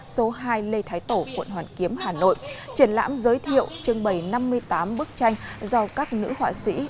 số hai lê thái tổ quận hoàn kiếm hà nội triển lãm giới thiệu trưng bày năm mươi tám bức tranh do các nữ họa sĩ